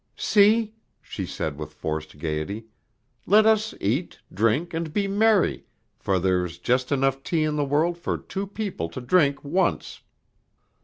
"See," she said with forced gayety; "let us eat, drink, and be merry, for there is just enough tea in the world for two people to drink once!"